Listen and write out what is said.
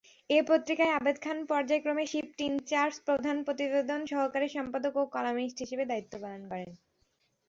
এ পত্রিকায় আবেদ খান পর্যায়ক্রমে শিফট-ইনচার্জ, প্রধান প্রতিবেদন, সহকারী সম্পাদক ও কলামিস্ট হিসেবে দায়িত্ব পালন করেন।